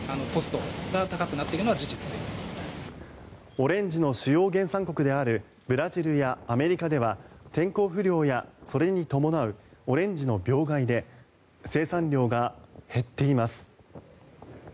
オレンジの主要原産国であるブラジルやアメリカでは天候不良やそれに伴うオレンジの病害で生産量が減っています。